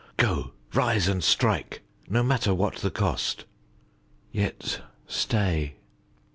Go; rise and strike, no matter what the cost. Yet stay.